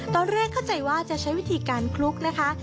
ตอนแรกเข้าใจว่าจะใช้วิธีการคลุกนะคะ